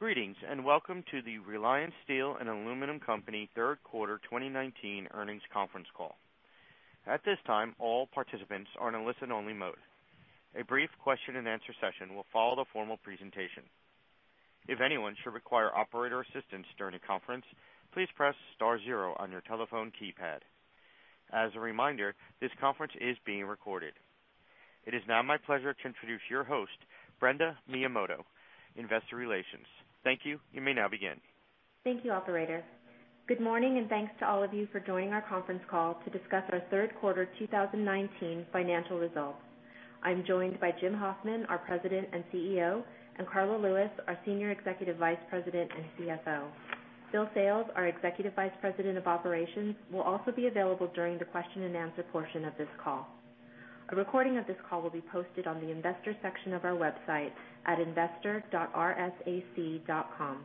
Greetings. Welcome to the Reliance Steel & Aluminum Co. third quarter 2019 earnings conference call. At this time, all participants are in listen-only mode. A brief question and answer session will follow the formal presentation. If anyone should require operator assistance during the conference, please press star zero on your telephone keypad. As a reminder, this conference is being recorded. It is now my pleasure to introduce your host, Brenda Miyamoto, investor relations. Thank you. You may now begin. Thank you, operator. Good morning. Thanks to all of you for joining our conference call to discuss our third quarter 2019 financial results. I'm joined by Jim Hoffman, our President and Chief Executive Officer, and Karla Lewis, our Senior Executive Vice President and Chief Financial Officer. Bill Sales, our Executive Vice President of Operations, will also be available during the question and answer portion of this call. A recording of this call will be posted on the investor section of our website at investor.rsac.com.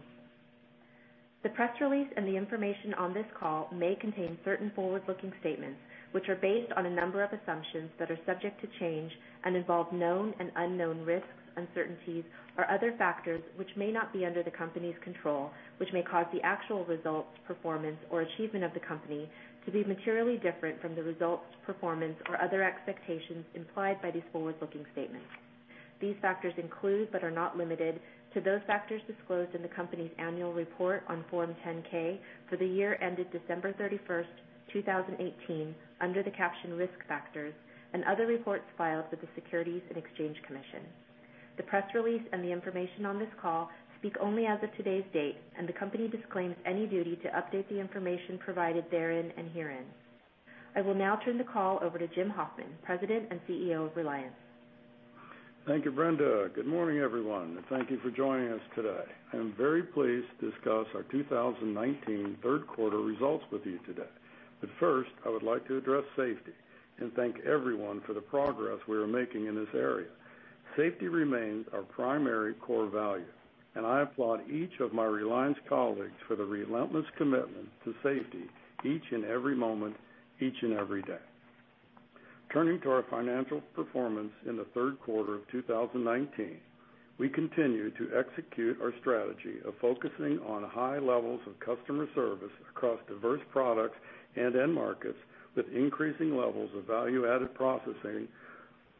The press release and the information on this call may contain certain forward-looking statements, which are based on a number of assumptions that are subject to change and involve known and unknown risks, uncertainties or other factors which may not be under the company's control, which may cause the actual results, performance or achievement of the company to be materially different from the results, performance or other expectations implied by these forward-looking statements. These factors include, but are not limited to those factors disclosed in the company's annual report on Form 10-K for the year ended December 31st, 2018, under the caption Risk Factors, and other reports filed with the Securities and Exchange Commission. The press release and the information on this call speak only as of today's date, and the company disclaims any duty to update the information provided therein and herein. I will now turn the call over to Jim Hoffman, President and Chief Executive Officer of Reliance. Thank you, Brenda. Good morning, everyone, and thank you for joining us today. I am very pleased to discuss our 2019 third quarter results with you today. First, I would like to address safety and thank everyone for the progress we are making in this area. Safety remains our primary core value, and I applaud each of my Reliance colleagues for their relentless commitment to safety each and every moment, each and every day. Turning to our financial performance in the third quarter of 2019. We continue to execute our strategy of focusing on high levels of customer service across diverse products and end markets with increasing levels of value-added processing,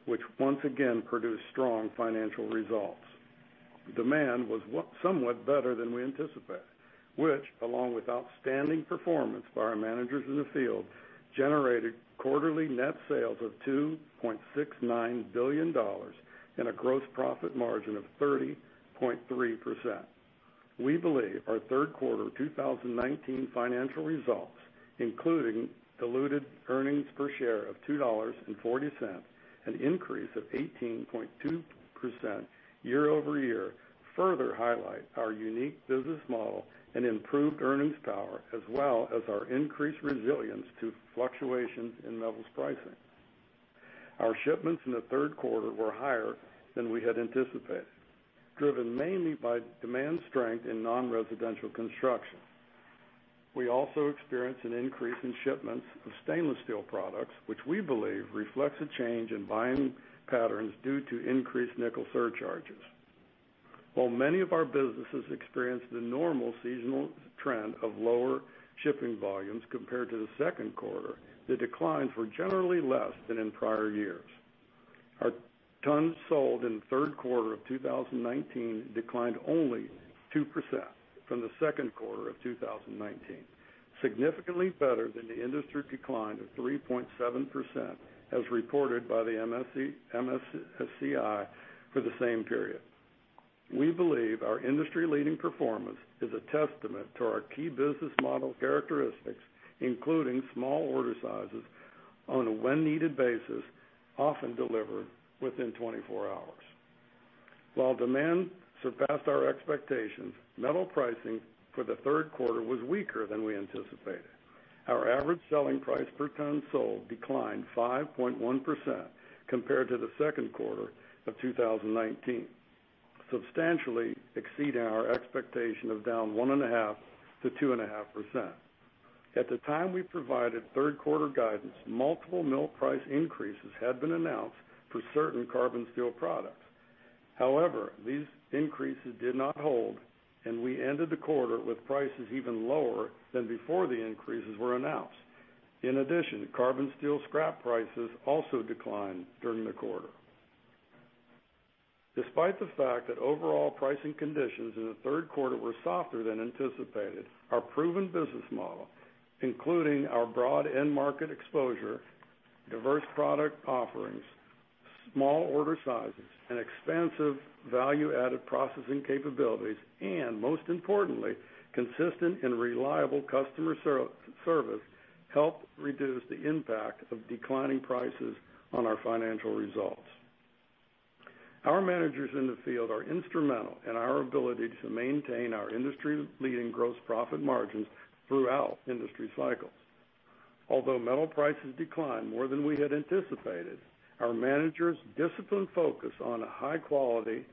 which once again produced strong financial results. Demand was somewhat better than we anticipated, which, along with outstanding performance by our managers in the field, generated quarterly net sales of $2.69 billion and a gross profit margin of 30.3%. We believe our third quarter 2019 financial results, including diluted earnings per share of $2.40, an increase of 18.2% year-over-year, further highlight our unique business model and improved earnings power, as well as our increased resilience to fluctuations in metals pricing. Our shipments in the third quarter were higher than we had anticipated, driven mainly by demand strength in non-residential construction. We also experienced an increase in shipments of stainless steel products, which we believe reflects a change in buying patterns due to increased nickel surcharges. While many of our businesses experienced the normal seasonal trend of lower shipping volumes compared to the second quarter, the declines were generally less than in prior years. Our tons sold in the third quarter of 2019 declined only 2% from the second quarter of 2019, significantly better than the industry decline of 3.7%, as reported by the MSCI for the same period. We believe our industry-leading performance is a testament to our key business model characteristics, including small order sizes on a when-needed basis, often delivered within 24 hours. While demand surpassed our expectations, metal pricing for the third quarter was weaker than we anticipated. Our average selling price per ton sold declined 5.1% compared to the second quarter of 2019, substantially exceeding our expectation of down 1.5%-2.5%. At the time we provided third-quarter guidance, multiple mill price increases had been announced for certain carbon steel products. However, these increases did not hold, and we ended the quarter with prices even lower than before the increases were announced. In addition, carbon steel scrap prices also declined during the quarter. Despite the fact that overall pricing conditions in the third quarter were softer than anticipated, our proven business model, including our broad end-market exposure, diverse product offerings, small order sizes, and expansive value-added processing capabilities, and most importantly, consistent and reliable customer service, helped reduce the impact of declining prices on our financial results. Our managers in the field are instrumental in our ability to maintain our industry-leading gross profit margins throughout industry cycles. Although metal prices declined more than we had anticipated, our managers' disciplined focus on a high-quality,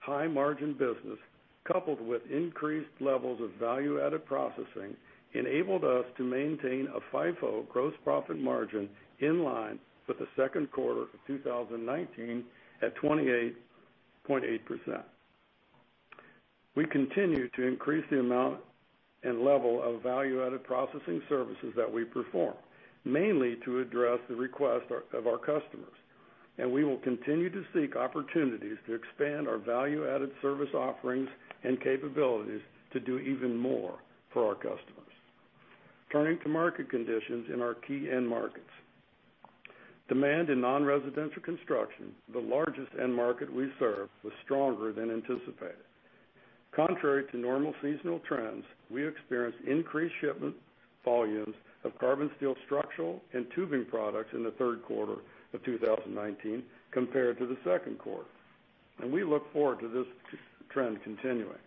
high-margin business, coupled with increased levels of value-added processing, enabled us to maintain a FIFO gross profit margin in line with the second quarter of 2019, at 28.8%. We continue to increase the amount and level of value-added processing services that we perform, mainly to address the request of our customers, and we will continue to seek opportunities to expand our value-added service offerings and capabilities to do even more for our customers. Turning to market conditions in our key end markets. Demand in non-residential construction, the largest end market we serve, was stronger than anticipated. Contrary to normal seasonal trends, we experienced increased shipment volumes of carbon steel structural and tubing products in the third quarter of 2019 compared to the second quarter, and we look forward to this trend continuing.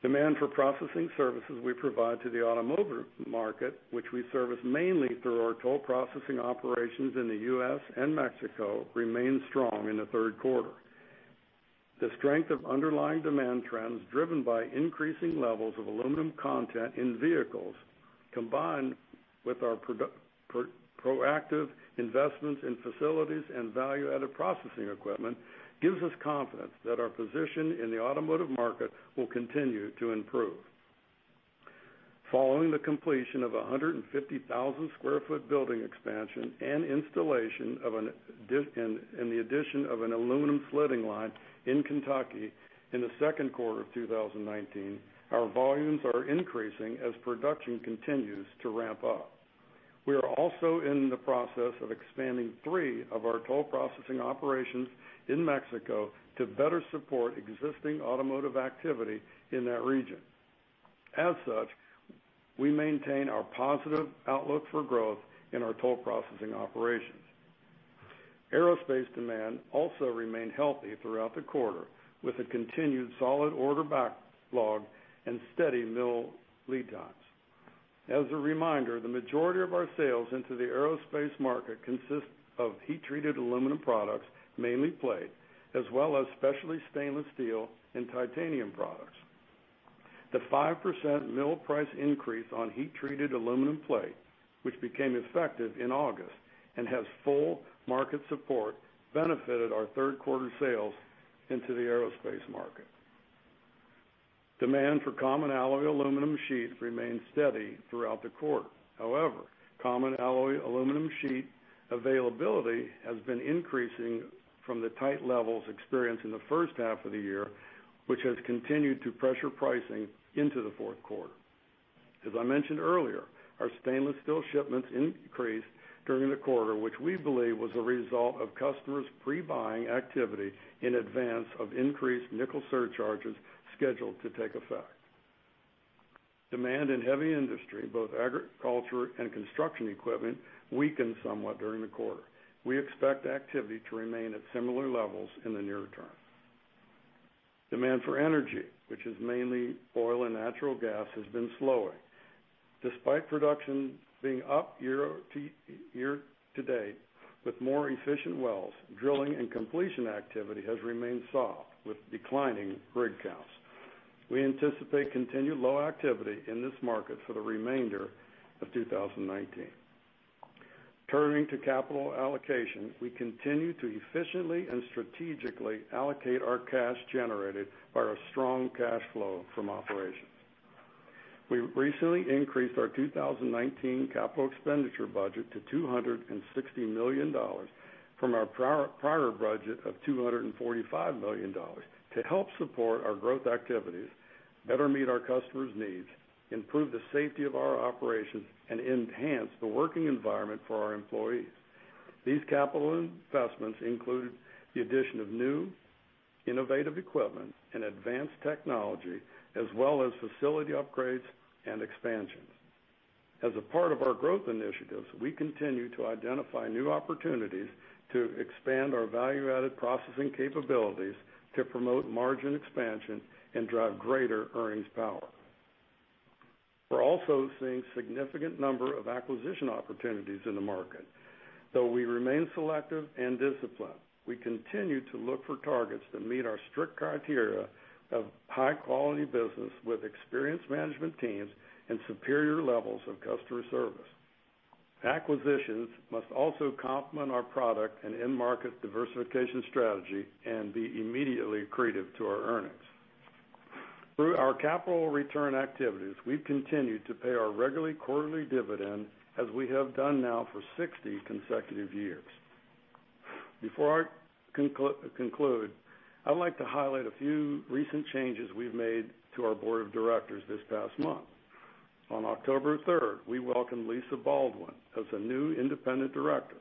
Demand for processing services we provide to the automotive market, which we service mainly through our toll processing operations in the U.S. and Mexico, remained strong in the third quarter. The strength of underlying demand trends driven by increasing levels of aluminum content in vehicles, combined with our proactive investments in facilities and value-added processing equipment, gives us confidence that our position in the automotive market will continue to improve. Following the completion of 150,000 square foot building expansion and installation and the addition of an aluminum slitting line in Kentucky in the second quarter of 2019, our volumes are increasing as production continues to ramp up. We are also in the process of expanding three of our toll processing operations in Mexico to better support existing automotive activity in that region. As such, we maintain our positive outlook for growth in our toll processing operations. Aerospace demand also remained healthy throughout the quarter, with a continued solid order backlog and steady mill lead times. As a reminder, the majority of our sales into the aerospace market consists of heat-treated aluminum products, mainly plate, as well as specialty stainless steel and titanium products. The 5% mill price increase on heat-treated aluminum plate, which became effective in August and has full market support, benefited our third-quarter sales into the aerospace market. Demand for common alloy aluminum sheet remained steady throughout the quarter. However, common alloy aluminum sheet availability has been increasing from the tight levels experienced in the first half of the year, which has continued to pressure pricing into the fourth quarter. As I mentioned earlier, our stainless steel shipments increased during the quarter, which we believe was a result of customers' pre-buying activity in advance of increased nickel surcharges scheduled to take effect. Demand in heavy industry, both agriculture and construction equipment, weakened somewhat during the quarter. We expect activity to remain at similar levels in the near term. Demand for energy, which is mainly oil and natural gas, has been slowing. Despite production being up year-to-date with more efficient wells, drilling and completion activity has remained soft, with declining rig counts. We anticipate continued low activity in this market for the remainder of 2019. Turning to capital allocation, we continue to efficiently and strategically allocate our cash generated by our strong cash flow from operations. We recently increased our 2019 capital expenditure budget to $260 million from our prior budget of $245 million to help support our growth activities, better meet our customers' needs, improve the safety of our operations, and enhance the working environment for our employees. These capital investments include the addition of new innovative equipment and advanced technology, as well as facility upgrades and expansions. As a part of our growth initiatives, we continue to identify new opportunities to expand our value-added processing capabilities to promote margin expansion and drive greater earnings power. We're also seeing significant number of acquisition opportunities in the market. Though we remain selective and disciplined, we continue to look for targets that meet our strict criteria of high-quality business with experienced management teams and superior levels of customer service. Acquisitions must also complement our product and end market diversification strategy and be immediately accretive to our earnings. Through our capital return activities, we've continued to pay our regularly quarterly dividend as we have done now for 60 consecutive years. Before I conclude, I would like to highlight a few recent changes we've made to our board of directors this past month. On October 3rd, we welcomed Lisa Baldwin as a new independent director.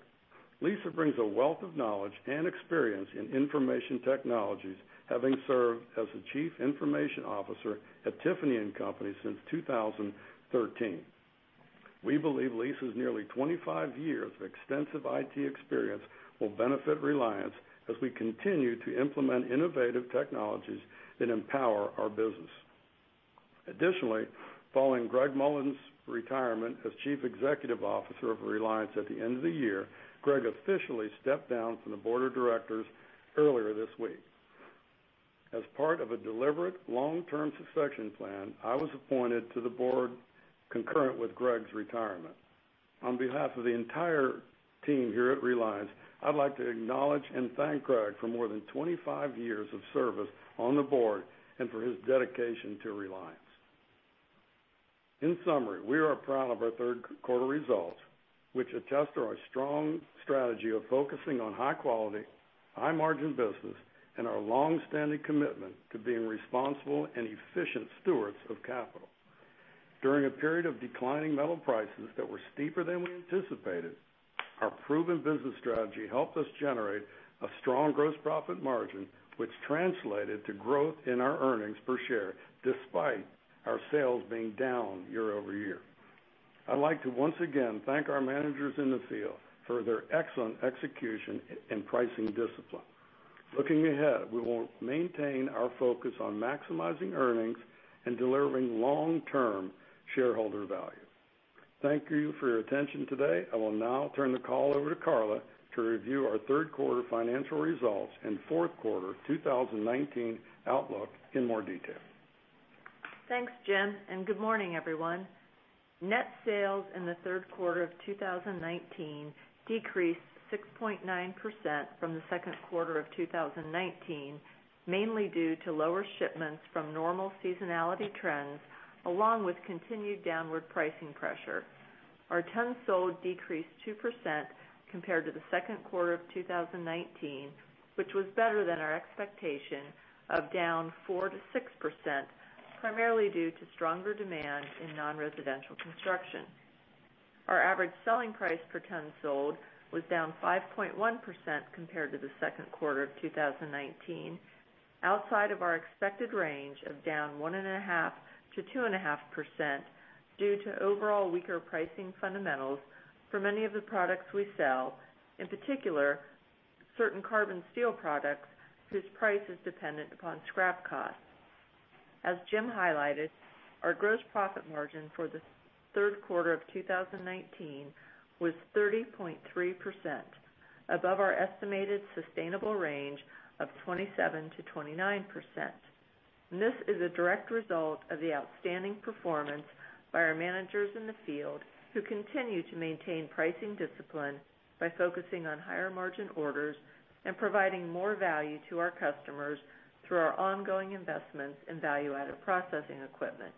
Lisa brings a wealth of knowledge and experience in information technologies, having served as the Chief Information Officer at Tiffany & Co. since 2013. We believe Lisa's nearly 25 years of extensive IT experience will benefit Reliance as we continue to implement innovative technologies that empower our business. Additionally, following Gregg Mollins's retirement as Chief Executive Officer of Reliance at the end of the year, Gregg officially stepped down from the board of directors earlier this week. As part of a deliberate long-term succession plan, I was appointed to the board concurrent with Gregg's retirement. On behalf of the entire team here at Reliance, I'd like to acknowledge and thank Gregg for more than 25 years of service on the board and for his dedication to Reliance. In summary, we are proud of our third quarter results, which attest to our strong strategy of focusing on high-quality, high-margin business, and our longstanding commitment to being responsible and efficient stewards of capital. During a period of declining metal prices that were steeper than we anticipated, our proven business strategy helped us generate a strong gross profit margin, which translated to growth in our earnings per share, despite our sales being down year-over-year. I'd like to once again thank our managers in the field for their excellent execution and pricing discipline. Looking ahead, we will maintain our focus on maximizing earnings and delivering long-term shareholder value. Thank you for your attention today. I will now turn the call over to Karla to review our third quarter financial results and fourth quarter 2019 outlook in more detail. Thanks, Jim, and good morning, everyone. Net sales in the third quarter of 2019 decreased 6.9% from the second quarter of 2019, mainly due to lower shipments from normal seasonality trends, along with continued downward pricing pressure. Our tons sold decreased 2% compared to the second quarter of 2019, which was better than our expectation of down 4%-6%, primarily due to stronger demand in non-residential construction. Our average selling price per ton sold was down 5.1% compared to the second quarter of 2019, outside of our expected range of down 1.5%-2.5% due to overall weaker pricing fundamentals for many of the products we sell, in particular, certain carbon steel products whose price is dependent upon scrap costs. As Jim highlighted, our gross profit margin for the third quarter of 2019 was 30.3%, above our estimated sustainable range of 27%-29%. This is a direct result of the outstanding performance by our managers in the field, who continue to maintain pricing discipline by focusing on higher-margin orders and providing more value to our customers through our ongoing investments in value-added processing equipment.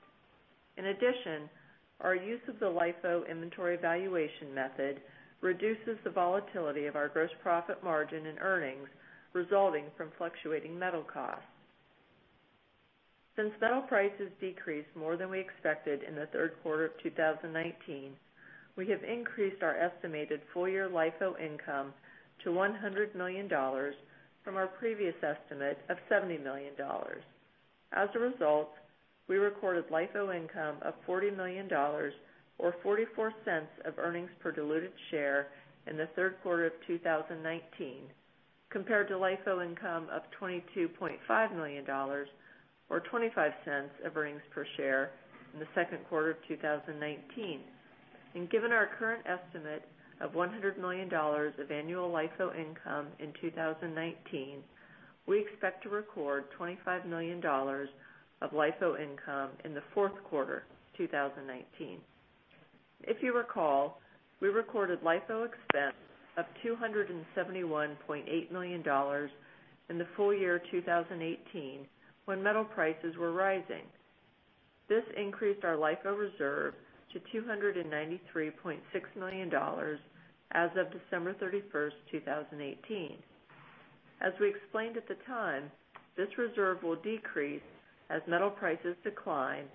In addition, our use of the LIFO inventory valuation method reduces the volatility of our gross profit margin and earnings resulting from fluctuating metal costs. Since metal prices decreased more than we expected in the third quarter of 2019, we have increased our estimated full-year LIFO income to $100 million from our previous estimate of $70 million. As a result, we recorded LIFO income of $40 million or $0.44 of earnings per diluted share in the third quarter of 2019, compared to LIFO income of $22.5 million or $0.25 of earnings per share in the second quarter of 2019. Given our current estimate of $100 million of annual LIFO income in 2019, we expect to record $25 million of LIFO income in the fourth quarter 2019. If you recall, we recorded LIFO expense of $271.8 million in the full year 2018 when metal prices were rising. This increased our LIFO reserve to $293.6 million as of December 31st, 2018. As we explained at the time, this reserve will decrease as metal prices decline,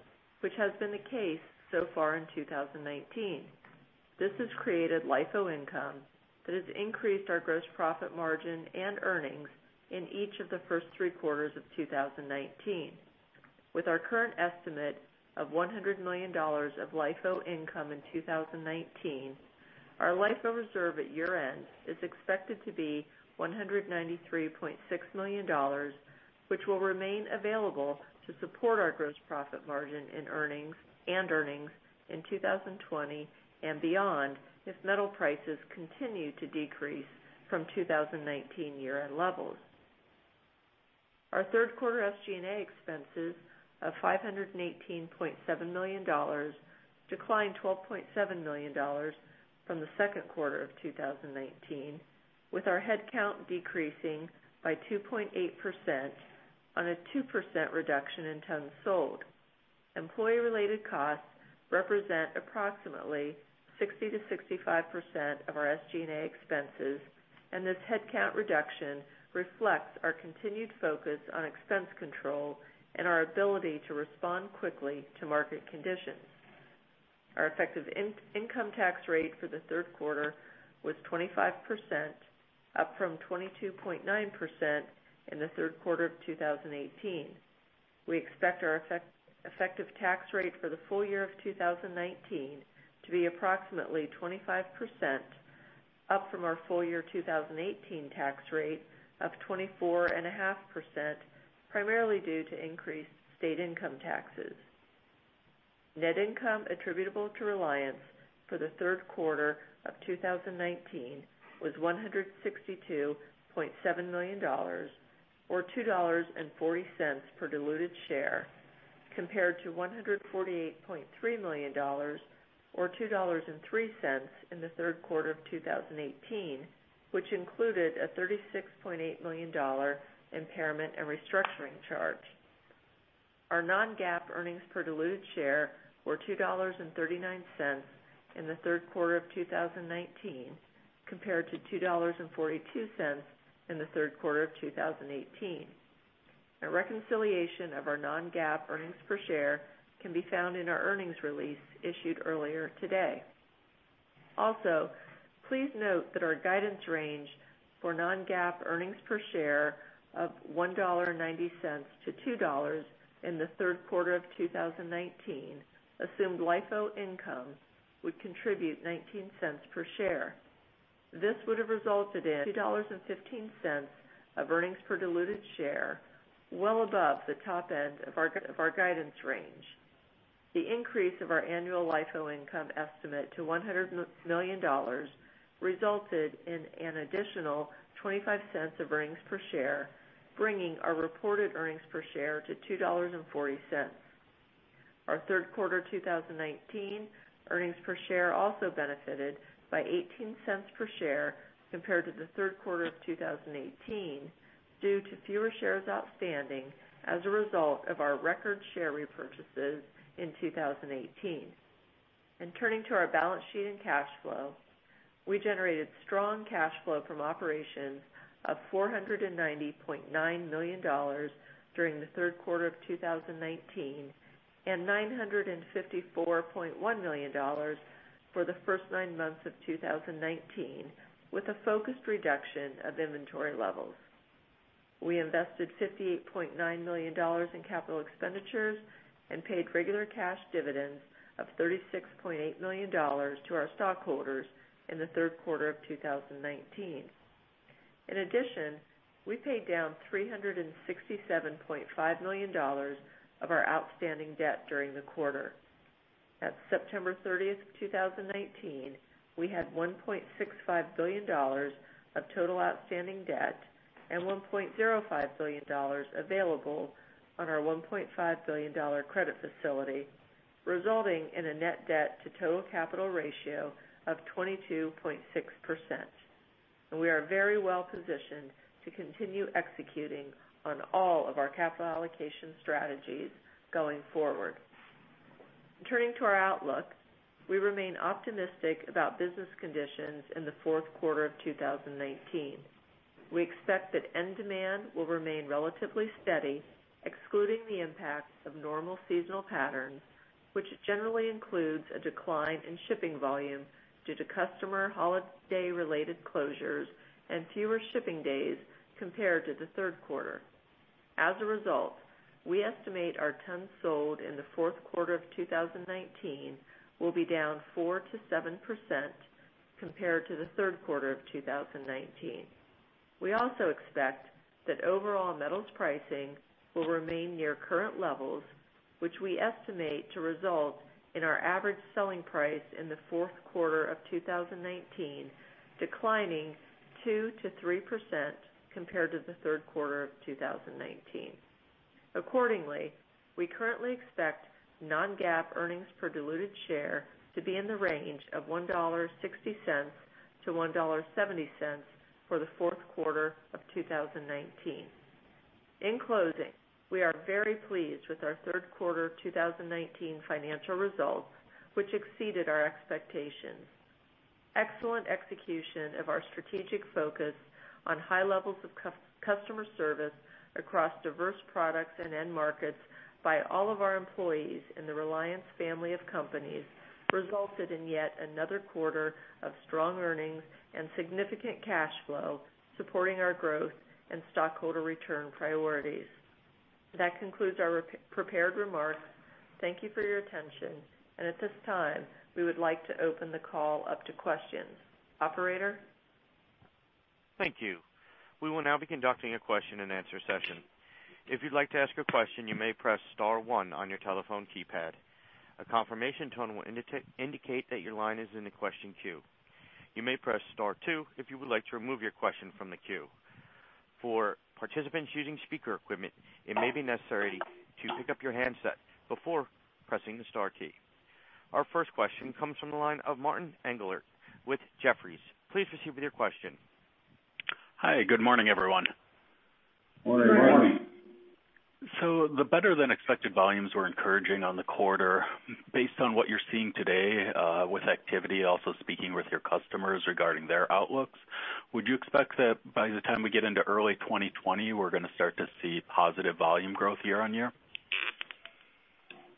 which has been the case so far in 2019. This has created LIFO income that has increased our gross profit margin and earnings in each of the first three quarters of 2019. With our current estimate of $100 million of LIFO income in 2019, our LIFO reserve at year-end is expected to be $193.6 million, which will remain available to support our gross profit margin and earnings in 2020 and beyond if metal prices continue to decrease from 2019 year-end levels. Our third quarter SG&A expenses of $518.7 million declined $12.7 million from the second quarter of 2019, with our headcount decreasing by 2.8% on a 2% reduction in tons sold. Employee-related costs represent approximately 60%-65% of our SG&A expenses, and this headcount reduction reflects our continued focus on expense control and our ability to respond quickly to market conditions. Our effective income tax rate for the third quarter was 25%, up from 22.9% in the third quarter of 2018. We expect our effective tax rate for the full year of 2019 to be approximately 25%, up from our full year 2018 tax rate of 24.5%, primarily due to increased state income taxes. Net income attributable to Reliance for the third quarter of 2019 was $162.7 million, or $2.40 per diluted share. Compared to $148.3 million, or $2.03 in the third quarter of 2018, which included a $36.8 million impairment and restructuring charge. Our non-GAAP earnings per diluted share were $2.39 in the third quarter of 2019, compared to $2.42 in the third quarter of 2018. A reconciliation of our non-GAAP earnings per share can be found in our earnings release issued earlier today. Please note that our guidance range for non-GAAP earnings per share of $1.90 to $2 in the third quarter of 2019 assumed LIFO income would contribute $0.19 per share. This would have resulted in $2.15 of earnings per diluted share, well above the top end of our guidance range. The increase of our annual LIFO income estimate to $100 million resulted in an additional $0.25 of earnings per share, bringing our reported earnings per share to $2.40. Our third quarter 2019 earnings per share also benefited by $0.18 per share compared to the third quarter of 2018, due to fewer shares outstanding as a result of our record share repurchases in 2018. Turning to our balance sheet and cash flow, we generated strong cash flow from operations of $490.9 million during the third quarter of 2019, and $954.1 million for the first nine months of 2019, with a focused reduction of inventory levels. We invested $58.9 million in capital expenditures and paid regular cash dividends of $36.8 million to our stockholders in the third quarter of 2019. In addition, we paid down $367.5 million of our outstanding debt during the quarter. At September 30th, 2019, we had $1.65 billion of total outstanding debt and $1.05 billion available on our $1.5 billion credit facility, resulting in a net debt to total capital ratio of 22.6%. We are very well-positioned to continue executing on all of our capital allocation strategies going forward. In turning to our outlook, we remain optimistic about business conditions in the fourth quarter of 2019. We expect that end demand will remain relatively steady, excluding the impacts of normal seasonal patterns, which generally includes a decline in shipping volume due to customer holiday-related closures and fewer shipping days compared to the third quarter. As a result, we estimate our tons sold in the fourth quarter of 2019 will be down 4%-7% compared to the third quarter of 2019. We also expect that overall metals pricing will remain near current levels, which we estimate to result in our average selling price in the fourth quarter of 2019 declining 2%-3% compared to the third quarter of 2019. Accordingly, we currently expect non-GAAP earnings per diluted share to be in the range of $1.60-$1.70 for the fourth quarter of 2019. In closing, we are very pleased with our third quarter 2019 financial results, which exceeded our expectations. Excellent execution of our strategic focus on high levels of customer service across diverse products and end markets by all of our employees in the Reliance family of companies resulted in yet another quarter of strong earnings and significant cash flow supporting our growth and stockholder return priorities. That concludes our prepared remarks. Thank you for your attention. At this time, we would like to open the call up to questions. Operator? Thank you. We will now be conducting a question and answer session. If you'd like to ask a question, you may press star 1 on your telephone keypad. A confirmation tone will indicate that your line is in the question queue. You may press star 2 if you would like to remove your question from the queue. For participants using speaker equipment, it may be necessary to pick up your handset before pressing the star key. Our first question comes from the line of Martin Englert with Jefferies. Please proceed with your question. Hi. Good morning, everyone. Good morning. The better-than-expected volumes were encouraging on the quarter. Based on what you're seeing today with activity, also speaking with your customers regarding their outlooks, would you expect that by the time we get into early 2020, we're going to start to see positive volume growth year-on-year?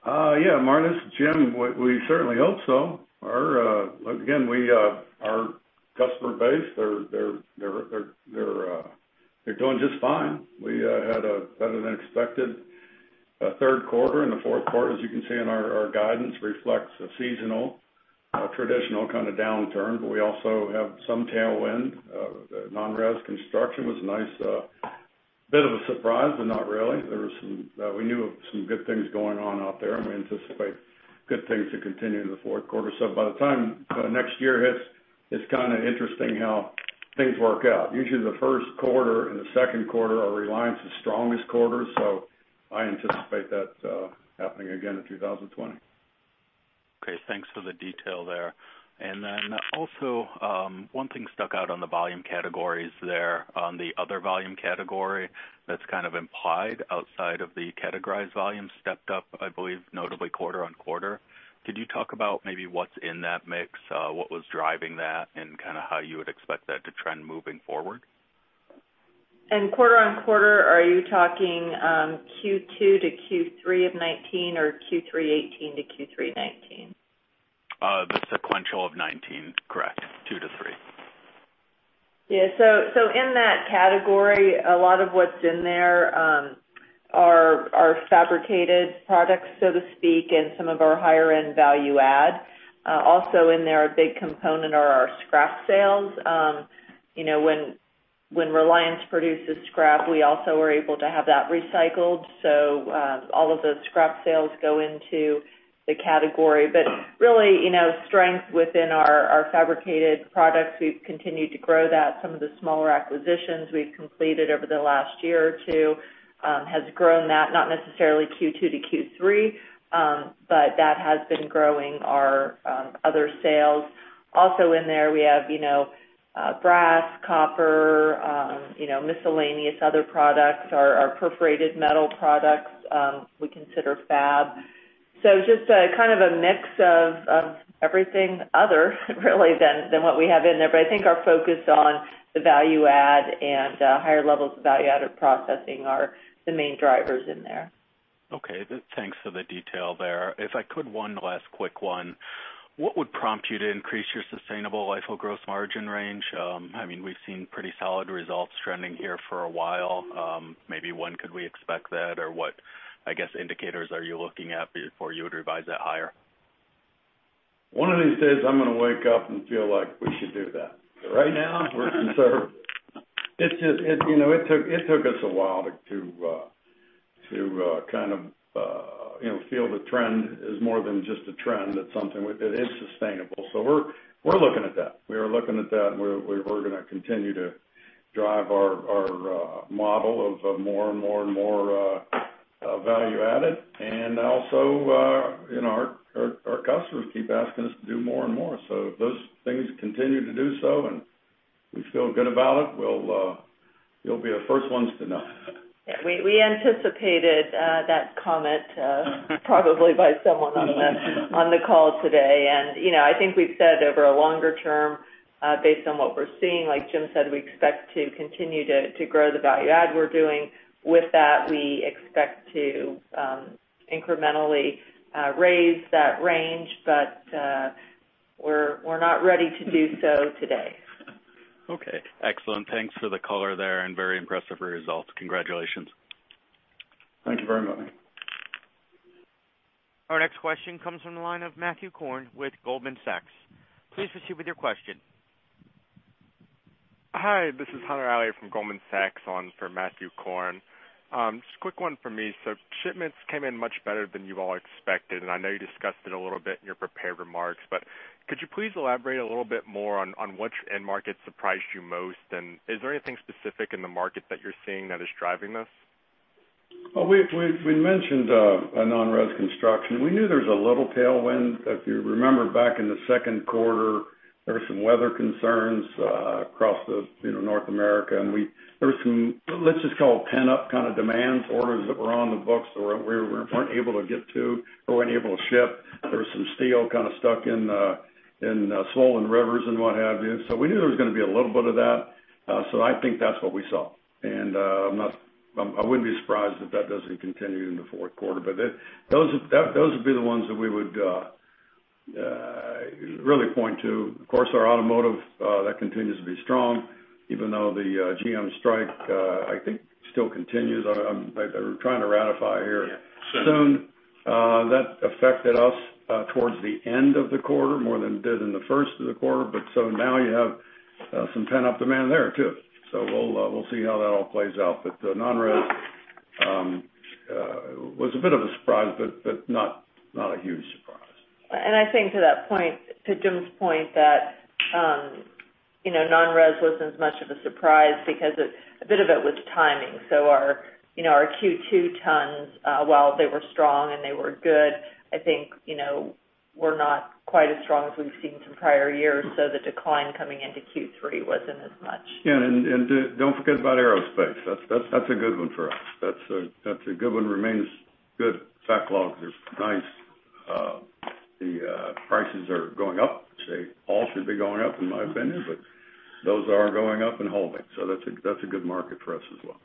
Yeah, Martin, it's Jim. We certainly hope so. Again, our customer base, they're doing just fine. We had a better-than-expected third quarter, and the fourth quarter, as you can see in our guidance, reflects a seasonal, traditional kind of downturn. We also have some tailwind. Non-res construction was a nice bit of a surprise, but not really. We knew of some good things going on. We anticipate good things to continue in the fourth quarter. By the time next year hits, it's kind of interesting how things work out. Usually, the first quarter and the second quarter are Reliance's strongest quarters, so I anticipate that happening again in 2020. Okay. Thanks for the detail there. Also, one thing stuck out on the volume categories there. On the other volume category, that's kind of implied outside of the categorized volume, stepped up, I believe, notably quarter-on-quarter. Could you talk about maybe what's in that mix, what was driving that, and how you would expect that to trend moving forward? In quarter-on-quarter, are you talking Q2 to Q3 of 2019 or Q3 2018 to Q3 2019? The sequential of 2019, correct. Two to three. Yeah. In that category, a lot of what's in there are fabricated products, so to speak, and some of our higher-end value add. Also in there, a big component are our scrap sales. When Reliance produces scrap, we also are able to have that recycled. All of those scrap sales go into the category. Really, strength within our fabricated products, we've continued to grow that. Some of the smaller acquisitions we've completed over the last year or two, has grown that. Not necessarily Q2 to Q3, but that has been growing our other sales. Also in there we have brass, copper, miscellaneous other products. Our perforated metal products, we consider fab. Just a mix of everything other, really, than what we have in there. I think our focus on the value add and higher levels of value add or processing are the main drivers in there. Okay. Thanks for the detail there. If I could, one last quick one. What would prompt you to increase your sustainable EBITDA gross margin range? We've seen pretty solid results trending here for a while. Maybe when could we expect that, or what indicators are you looking at before you would revise that higher? One of these days, I'm going to wake up and feel like we should do that. Right now, we're conservative. It took us a while to feel the trend as more than just a trend, that's something that is sustainable. We're looking at that. We are looking at that, and we're going to continue to drive our model of more and more value added. Also, our customers keep asking us to do more and more. If those things continue to do so, and we feel good about it, you'll be the first ones to know. Yeah. We anticipated that comment probably by someone on the call today. I think we've said over a longer term, based on what we're seeing, like Jim said, we expect to continue to grow the value add we're doing. With that, we expect to incrementally raise that range, but we're not ready to do so today. Okay. Excellent. Thanks for the color there, and very impressive results. Congratulations. Thank you very much. Our next question comes from the line of Matthew Korn with Goldman Sachs. Please proceed with your question. Hi. This is Hunter Alley from Goldman Sachs on for Matthew Korn. Just a quick one from me. Shipments came in much better than you've all expected, and I know you discussed it a little bit in your prepared remarks, but could you please elaborate a little bit more on which end market surprised you most? Is there anything specific in the market that you're seeing that is driving this? We mentioned a non-res construction. We knew there was a little tailwind. If you remember back in the second quarter, there were some weather concerns across North America, and there were some, let's just call it pent-up kind of demand, orders that were on the books that we weren't able to get to or weren't able to ship. There was some steel stuck in swollen rivers and what have you. We knew there was going to be a little bit of that. I think that's what we saw. I wouldn't be surprised if that doesn't continue in the fourth quarter. Those would be the ones that we would really point to. Of course, our automotive, that continues to be strong, even though the GM strike, I think, still continues. They're trying to ratify here soon. That affected us towards the end of the quarter more than it did in the first of the quarter. Now you have some pent-up demand there, too. We'll see how that all plays out. The non-res was a bit of a surprise, but not a huge surprise. I think to Jim's point that non-res wasn't as much of a surprise because a bit of it was timing. Our Q2 tons, while they were strong and they were good, I think were not quite as strong as we've seen some prior years. The decline coming into Q3 wasn't as much. Yeah, don't forget about aerospace. That's a good one for us. That's a good one. Remains good. Backlog is nice. The prices are going up. They all should be going up, in my opinion. Those are going up and holding. That's a good market for us as well.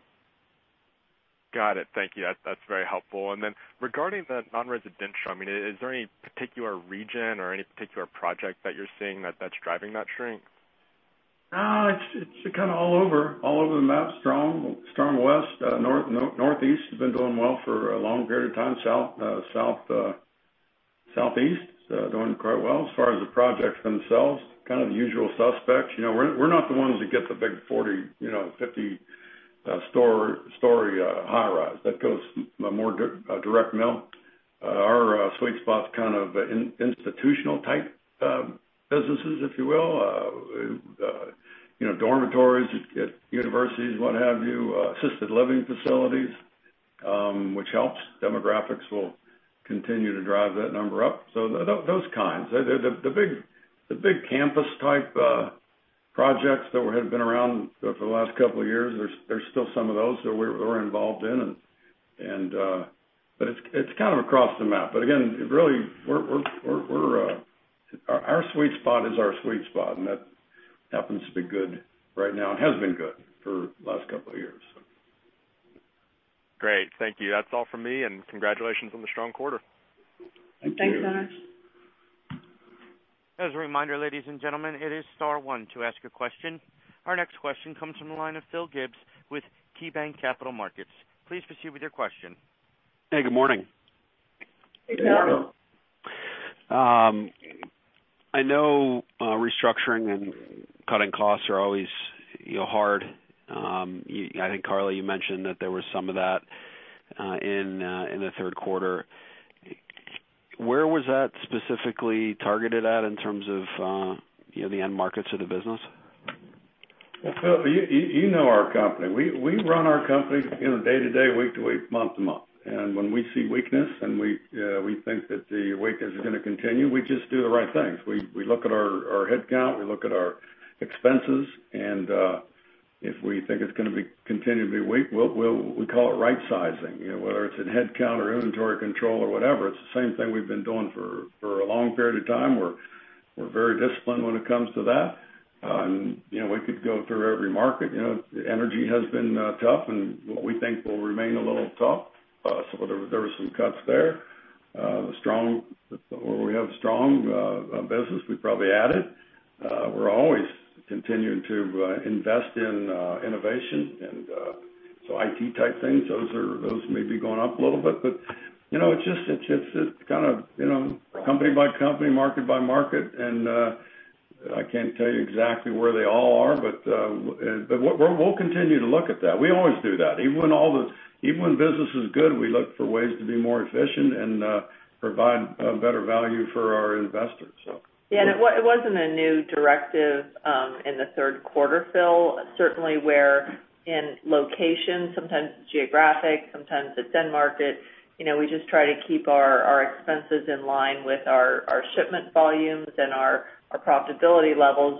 Got it. Thank you. That's very helpful. Then regarding the non-residential, is there any particular region or any particular project that you're seeing that's driving that shrink? It's kind of all over the map. Strong west. Northeast has been doing well for a long period of time. SouthSoutheast, doing quite well. As far as the projects themselves, kind of the usual suspects. We're not the ones that get the big 40, 50-story high-rise. That goes to a more direct mill. Our sweet spot's kind of institutional type businesses, if you will. Dormitories at universities, what have you, assisted living facilities, which helps. Demographics will continue to drive that number up. Those kinds. The big campus type projects that have been around for the last couple of years, there's still some of those that we're involved in. It's kind of across the map. Again, our sweet spot is our sweet spot, and that happens to be good right now, and has been good for the last couple of years. Great. Thank you. That's all from me, and congratulations on the strong quarter. Thank you. Thanks so much. As a reminder, ladies and gentlemen, it is star one to ask a question. Our next question comes from the line of Philip Gibbs with KeyBanc Capital Markets. Please proceed with your question. Hey, good morning. Good morning. Good morning. I know restructuring and cutting costs are always hard. I think, Karla, you mentioned that there was some of that in the third quarter. Where was that specifically targeted at in terms of the end markets of the business? Phil, you know our company. We run our company day to day, week to week, month to month. When we see weakness and we think that the weakness is going to continue, we just do the right things. We look at our headcount, we look at our expenses, and if we think it's going to be continually weak, we call it rightsizing. Whether it's in headcount or inventory control or whatever, it's the same thing we've been doing for a long period of time. We're very disciplined when it comes to that. We could go through every market. Energy has been tough, and we think will remain a little tough. There were some cuts there. Where we have strong business, we probably add it. We're always continuing to invest in innovation. IT type things, those may be going up a little bit, but it's kind of company by company, market by market, and I can't tell you exactly where they all are. We'll continue to look at that. We always do that. Even when business is good, we look for ways to be more efficient and provide better value for our investors. Yeah. It wasn't a new directive in the 3rd quarter, Phil. Certainly where in location, sometimes it's geographic, sometimes it's end market. We just try to keep our expenses in line with our shipment volumes and our profitability levels.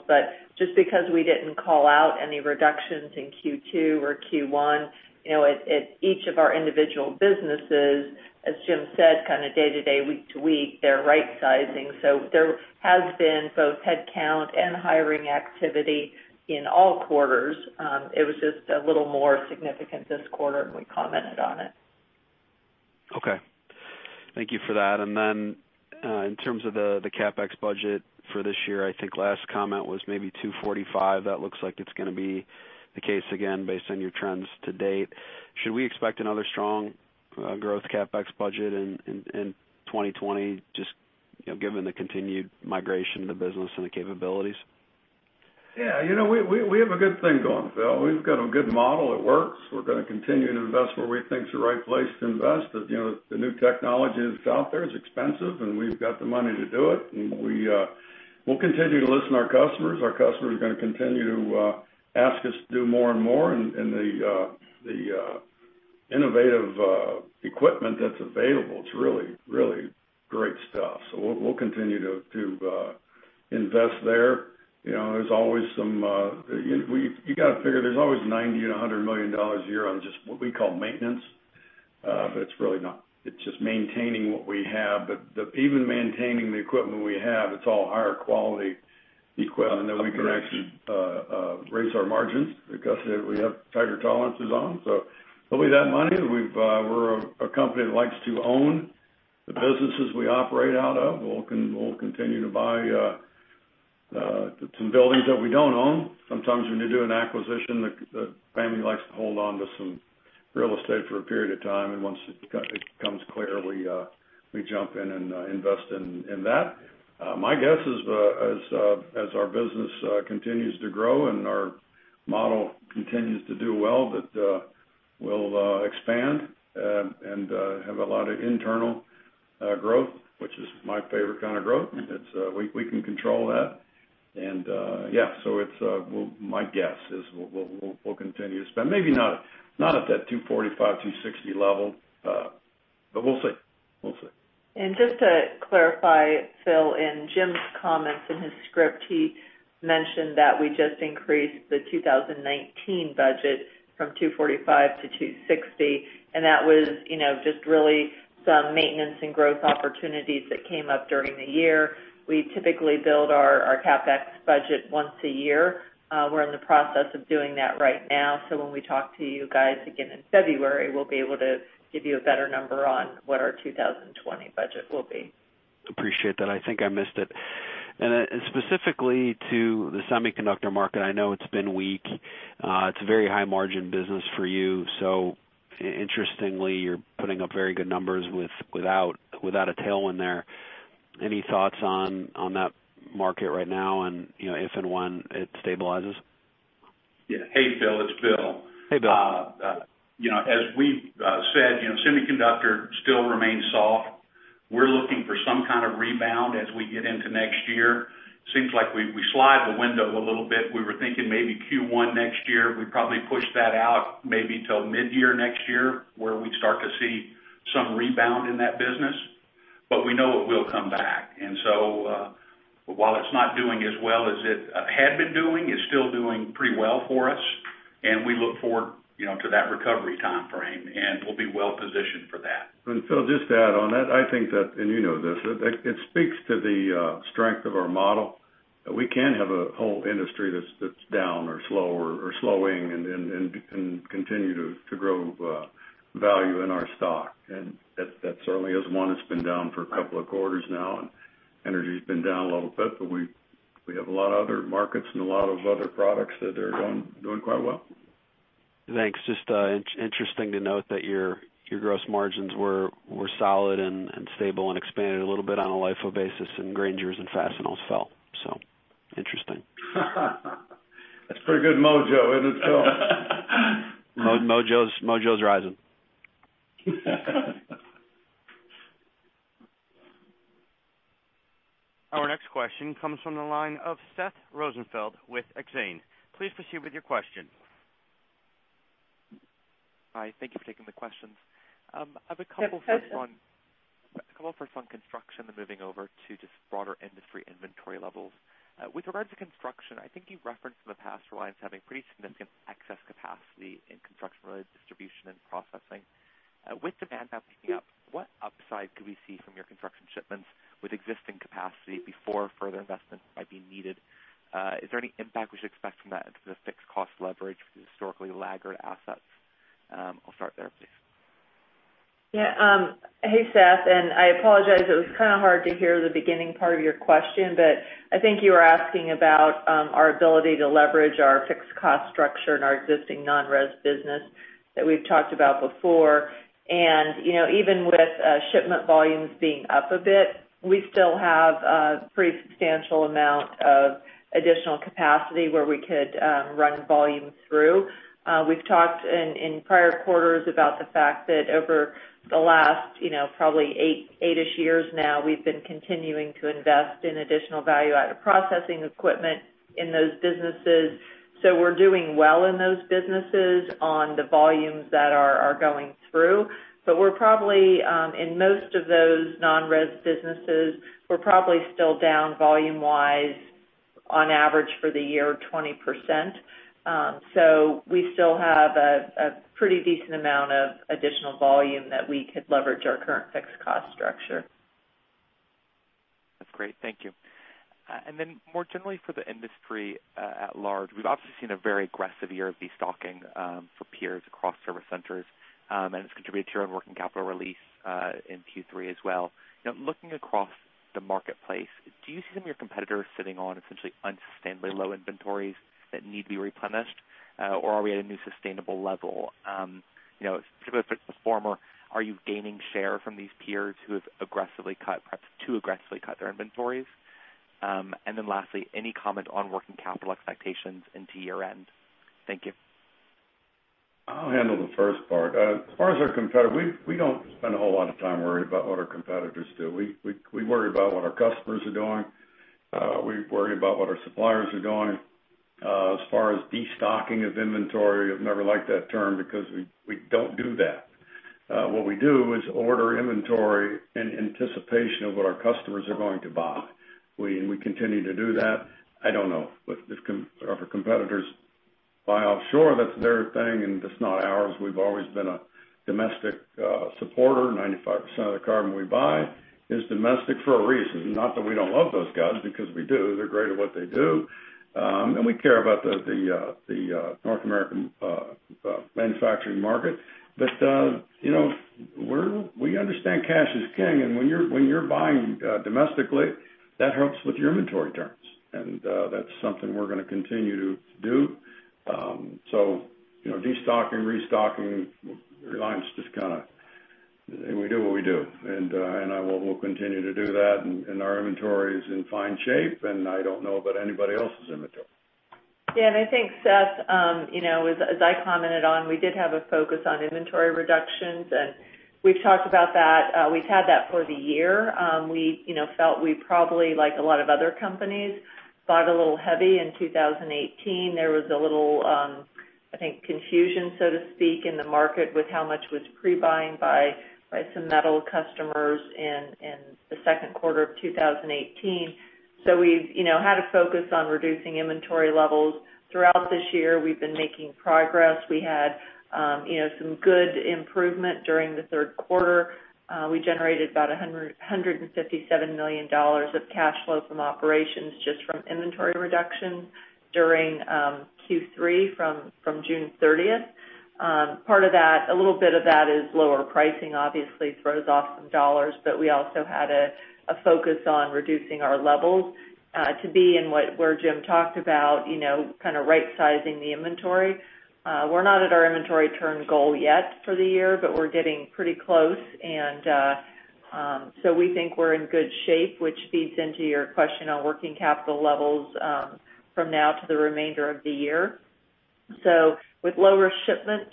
Just because we didn't call out any reductions in Q2 or Q1, at each of our individual businesses, as Jim said, kind of day to day, week to week, they're rightsizing. There has been both headcount and hiring activity in all quarters. It was just a little more significant this quarter, and we commented on it. Okay. Thank you for that. In terms of the CapEx budget for this year, I think last comment was maybe $245. That looks like it's going to be the case again based on your trends to date. Should we expect another strong growth CapEx budget in 2020, just given the continued migration of the business and the capabilities? We have a good thing going, Phil. We've got a good model. It works. We're going to continue to invest where we think is the right place to invest. The new technology that's out there is expensive, we've got the money to do it, we'll continue to listen to our customers. Our customers are going to continue to ask us to do more and more in the innovative equipment that's available. It's really great stuff. We'll continue to invest there. You got to figure, there's always $90 million and $100 million a year on just what we call maintenance. It's really not, it's just maintaining what we have. Even maintaining the equipment we have, it's all higher quality equipment. Then we can actually raise our margins because we have tighter tolerances on. With that money, we're a company that likes to own the businesses we operate out of. We'll continue to buy some buildings that we don't own. Sometimes when you do an acquisition, the family likes to hold onto some real estate for a period of time, and once it becomes clear, we jump in and invest in that. My guess is, as our business continues to grow and our model continues to do well, that we'll expand and have a lot of internal growth, which is my favorite kind of growth. We can control that. Yeah. My guess is we'll continue to spend. Maybe not at that 245, 260 level. We'll see. Just to clarify, Phil, in Jim's comments in his script, he mentioned that we just increased the 2019 budget from $245 million to $260 million, and that was just really some maintenance and growth opportunities that came up during the year. We typically build our CapEx budget once a year. We're in the process of doing that right now, so when we talk to you guys again in February, we'll be able to give you a better number on what our 2020 budget will be. Appreciate that. I think I missed it. Specifically to the semiconductor market, I know it's been weak. It's a very high margin business for you. Interestingly, you're putting up very good numbers without a tailwind there. Any thoughts on that market right now and if and when it stabilizes? Yeah. Hey, Phil, it's Bill. Hey, Bill. As we've said, semiconductor still remains soft. We're looking for some kind of rebound as we get into next year. Seems like we slide the window a little bit. We were thinking maybe Q1 next year. We probably pushed that out maybe till mid-year next year, where we start to see some rebound in that business. We know it will come back. While it's not doing as well as it had been doing, it's still doing pretty well for us, and we look forward to that recovery timeframe, and we'll be well-positioned for that. Phil, just to add on that, I think that, and you know this, it speaks to the strength of our model, that we can have a whole industry that's down or slower or slowing and continue to grow value in our stock. That certainly is one that's been down for a couple of quarters now, and energy's been down a little bit, but we have a lot of other markets and a lot of other products that are doing quite well. Thanks. Just interesting to note that your gross margins were solid and stable and expanded a little bit on a LIFO basis, and gratings, yields, and fasteners fell. interesting. That's pretty good mojo, isn't it, Phil? Mojo's rising. Our next question comes from the line of Seth Rosenfeld with Exane. Please proceed with your question. Hi. Thank you for taking the questions. I have a couple- Yes. A couple first on construction, then moving over to just broader industry inventory levels. With regards to construction, I think you've referenced in the past, Reliance having pretty significant excess capacity in construction-related distribution and processing. With demand now picking up, what upside could we see from your construction shipments with existing capacity before further investments might be needed? Is there any impact we should expect from that into the fixed cost leverage with historically laggard assets? I'll start there, please. Hey, Seth, and I apologize, it was kind of hard to hear the beginning part of your question, but I think you were asking about our ability to leverage our fixed cost structure and our existing non-res business that we've talked about before. Even with shipment volumes being up a bit, we still have a pretty substantial amount of additional capacity where we could run volume through. We've talked in prior quarters about the fact that over the last probably 8-ish years now, we've been continuing to invest in additional value-added processing equipment in those businesses. We're doing well in those businesses on the volumes that are going through. In most of those non-res businesses, we're probably still down volume-wise on average for the year, 20%. We still have a pretty decent amount of additional volume that we could leverage our current fixed cost structure. That's great. Thank you. More generally for the industry at large, we've obviously seen a very aggressive year of destocking for peers across service centers. It's contributed to your own working capital release in Q3 as well. Looking across the marketplace, do you see some of your competitors sitting on essentially unsustainably low inventories that need to be replenished? Are we at a new sustainable level? Particularly for the former, are you gaining share from these peers who have aggressively cut, perhaps too aggressively cut their inventories? Lastly, any comment on working capital expectations into year-end? Thank you. I'll handle the first part. As far as our competitor, we don't spend a whole lot of time worried about what our competitors do. We worry about what our customers are doing. We worry about what our suppliers are doing. As far as destocking of inventory, I've never liked that term because we don't do that. What we do is order inventory in anticipation of what our customers are going to buy. We continue to do that. I don't know. If our competitors buy offshore, that's their thing, and it's not ours. We've always been a domestic supporter. 95% of the carbon we buy is domestic for a reason. Not that we don't love those guys, because we do. They're great at what they do. And we care about the North American manufacturing market. We understand cash is king, and when you're buying domestically, that helps with your inventory turns, and that's something we're going to continue to do. Destocking, restocking, Reliance. We do what we do. We'll continue to do that. Our inventory is in fine shape, and I don't know about anybody else's inventory. Yeah, Seth, as I commented on, we did have a focus on inventory reductions, and we've talked about that. We've had that for the year. We felt we probably, like a lot of other companies, bought a little heavy in 2018. There was a little, I think confusion, so to speak, in the market with how much was pre-buying by some metal customers in the second quarter of 2018. We've had a focus on reducing inventory levels throughout this year. We've been making progress. We had some good improvement during the third quarter. We generated about $157 million of cash flow from operations just from inventory reduction during Q3 from June 30th. Part of that, a little bit of that is lower pricing obviously throws off some dollars, but we also had a focus on reducing our levels to be in what, where Jim talked about, kind of rightsizing the inventory. We're not at our inventory turn goal yet for the year, but we're getting pretty close. We think we're in good shape, which feeds into your question on working capital levels from now to the remainder of the year. With lower shipment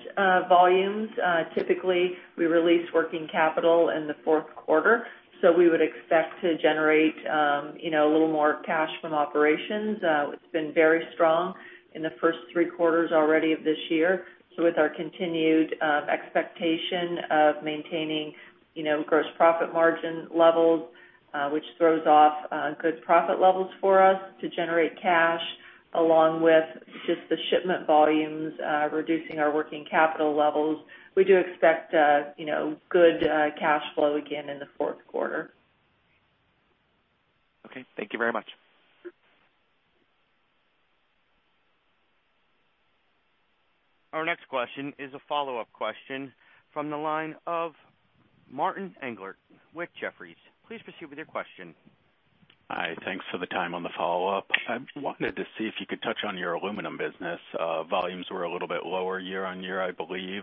volumes, typically we release working capital in the fourth quarter. We would expect to generate a little more cash from operations. It's been very strong in the first three quarters already of this year. With our continued expectation of maintaining gross profit margin levels, which throws off good profit levels for us to generate cash, along with just the shipment volumes reducing our working capital levels, we do expect good cash flow again in the fourth quarter. Okay. Thank you very much. Our next question is a follow-up question from the line of Martin Englert with Jefferies. Please proceed with your question. Hi. Thanks for the time on the follow-up. I wanted to see if you could touch on your aluminum business. Volumes were a little bit lower year-over-year, I believe.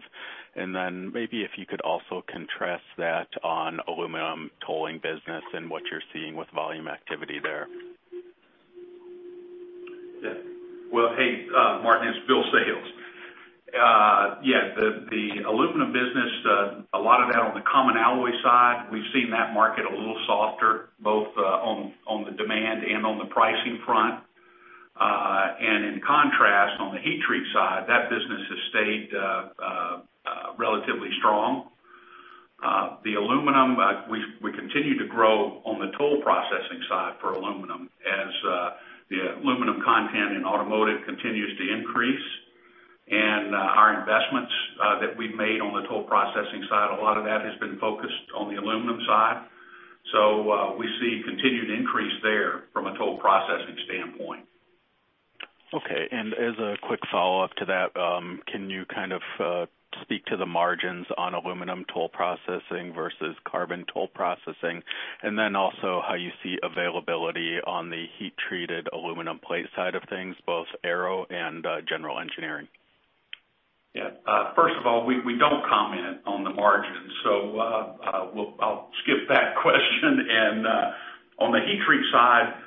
Maybe if you could also contrast that on aluminum tolling business and what you're seeing with volume activity there. Hey, Martin, it's Bill Sales. The aluminum business, a lot of that on the common alloy side, we've seen that market a little softer, both on the demand and on the pricing front. In contrast, on the heat-treat side, that business has stayed relatively strong. The aluminum, we continue to grow on the toll processing side for aluminum as the aluminum content in automotive continues to increase. Our investments that we've made on the toll processing side, a lot of that has been focused on the aluminum side. We see continued increase there from a toll processing standpoint. Okay. As a quick follow-up to that, can you kind of speak to the margins on aluminum toll processing versus carbon toll processing? Then also how you see availability on the heat-treated aluminum plate side of things, both aero and general engineering. Yeah. First of all, we don't comment on the margins, so I'll skip that question. On the heat treat side,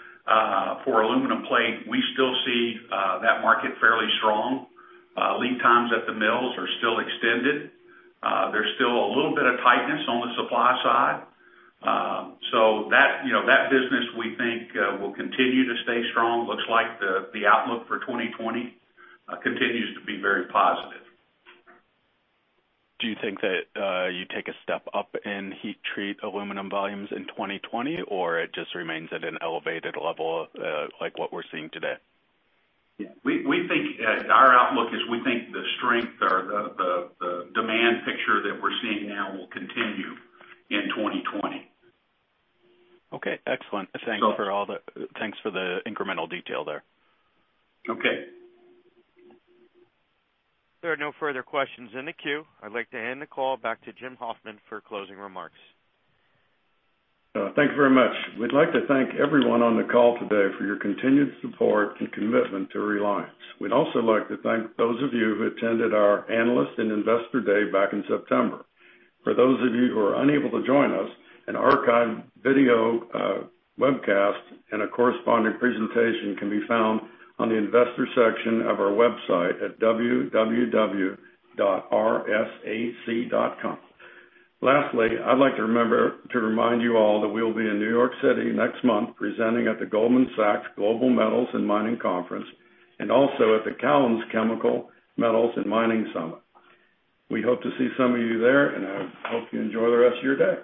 for aluminum plate, we still see that market fairly strong. Lead times at the mills are still extended. There's still a little bit of tightness on the supply side. That business, we think will continue to stay strong. Looks like the outlook for 2020 continues to be very positive. Do you think that you take a step up in heat treat aluminum volumes in 2020, or it just remains at an elevated level like what we're seeing today? Yeah. Our outlook is we think the strength or the demand picture that we're seeing now will continue in 2020. Okay. Excellent. So- Thanks for the incremental detail there. Okay. There are no further questions in the queue. I'd like to hand the call back to Jim Hoffman for closing remarks. Thank you very much. We'd like to thank everyone on the call today for your continued support and commitment to Reliance. We'd also like to thank those of you who attended our Analyst and Investor Day back in September. For those of you who are unable to join us, an archive video webcast and a corresponding presentation can be found on the investor section of our website at www.rsac.com. I'd like to remind you all that we will be in New York City next month presenting at the Goldman Sachs Global Metals and Mining Conference, and also at the Cowen Chemicals, Metals and Mining Summit. We hope to see some of you there, and I hope you enjoy the rest of your day.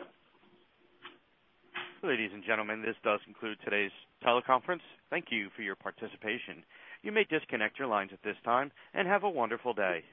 Ladies and gentlemen, this does conclude today's teleconference. Thank you for your participation. You may disconnect your lines at this time, and have a wonderful day.